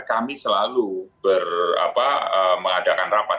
kami selalu mengadakan rapat